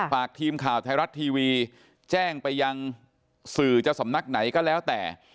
ฝากทีมข่าวไทยรัฐทีวีแจ้งไปยังสื่อจะสำนักไหนก็แล้วแต่